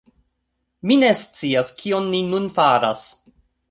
Mi ne scias kion ni nun faras...